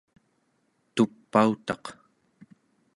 tupautaq